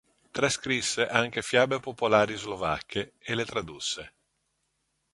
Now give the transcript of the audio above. Trascrisse anche fiabe popolari slovacche e le tradusse.